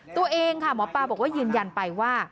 ตัวเองค่ะหมอปลาบอกว่ายืนยันไปว่า